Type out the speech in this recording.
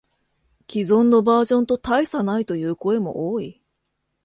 既存のバージョンと大差ないという声も多い